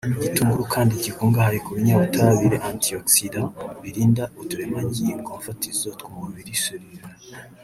Igitunguru kandi gikungahaye ku binyabutabire (Antioxidant) birinda uturemangingo mfatizo tw’umubiri (Cellule)